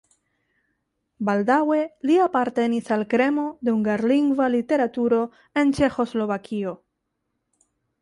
Baldaŭe li apartenis al kremo de hungarlingva literaturo en Ĉeĥoslovakio.